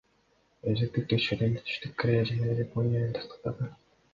Өзөктүк текшерүүнү Түштүк Корея жана Жапония тастыктады.